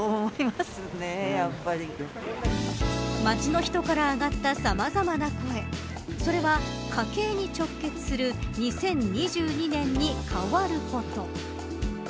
街の人から上がったさまざまな声それは、家計に直結する２０２２年に変わること。